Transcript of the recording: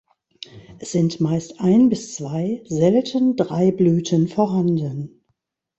Es sind meist ein bis zwei, selten drei Blüten vorhanden.